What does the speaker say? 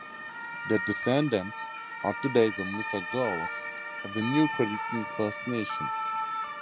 Their descendants are today the Mississaugas of the New Credit First Nation.